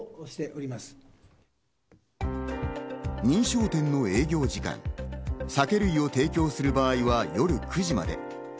認証店の営業時間、酒類を提供する場合は夜９時まで。